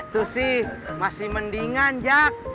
itu sih masih mendingan jak